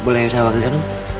boleh saya bagikan